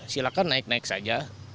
silakan naik naik saja